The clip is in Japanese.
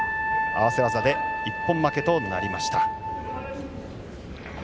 合わせ技で一本負けとなりました。